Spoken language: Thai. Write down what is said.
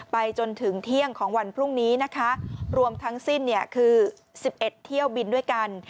ไปจนถึงเที่ยงของวันพรุ่งนี้นะคะรวมทั้งสิ้นคือ๑๑เที่ยวบินด้วยกัน